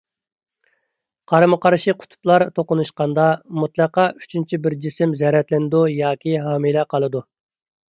قارمۇ قارشى قۇتۇپلار توقۇنۇشقاندا مۇتلەقا ئۈچىنچى بىر جىسىم زەرەتلىنىدۇ ياكى ھامىلە قالىدۇ.